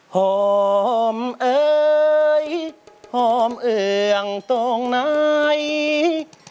หอมเอ่ยหอมเอืองตรงไหน